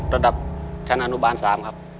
ระดับชั้นอนุบาล๓ครับ